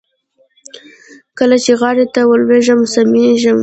کله چې غاړې ته ولوېږي سميږي.